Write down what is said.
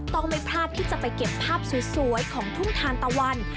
ต้องไม่พลาดที่จะไปเก็บภาพสวยของทุ่งทานตะวัน